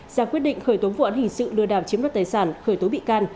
ra quyết định khởi tố vụ án hình sự lừa đảo chiếm đoạt tài sản khởi tố bị can